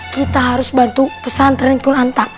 kita harus bantu pesantren kulantak